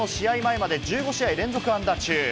今朝の試合前まで１５試合連続安打中。